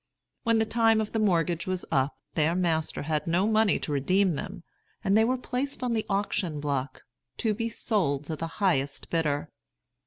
When the time of the mortgage was up, their master had no money to redeem them, and they were placed on the auction block, to be sold to the highest bidder.